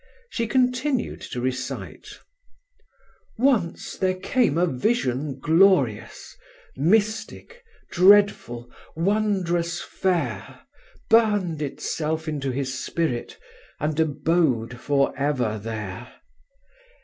She continued to recite: "Once there came a vision glorious, Mystic, dreadful, wondrous fair; Burned itself into his spirit, And abode for ever there!